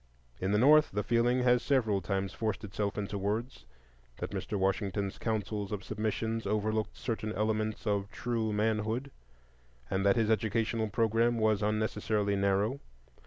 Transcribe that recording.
In the North the feeling has several times forced itself into words, that Mr. Washington's counsels of submission overlooked certain elements of true manhood, and that his educational programme was unnecessarily narrow.